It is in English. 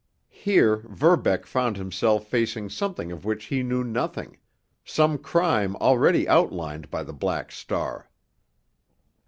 Here Verbeck found himself facing something of which he knew nothing, some crime already outlined by the Black Star.